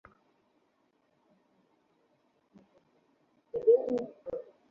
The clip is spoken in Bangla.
নতুন প্রধান নির্বাহী সত্য নাদেলার ছোঁয়ায় মাইক্রোসফটের রীতি-নীতিতে, নিয়মকানুনে বেশ কিছু পরিবর্তন এসেছে।